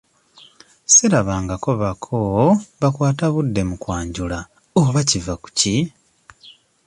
Sirabangako bako bakwata budde mu kwanjula oba kiva ku ki?